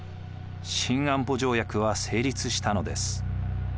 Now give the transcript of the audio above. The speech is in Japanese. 新安保条約は成立したのです。